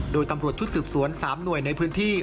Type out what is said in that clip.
โดยตำรวจชุดสืบสวน๓หน่วยในพื้นที่